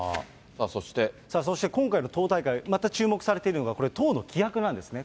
そして今回の党大会、また注目されているのが、これ、党の規約なんですね。